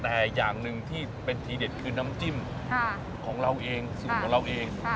แต่อย่างหนึ่งที่เป็นทีเด็ดคือน้ำจิ้มของเราเองสูตรของเราเอง